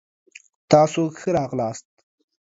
تاسو ښه راغلاست.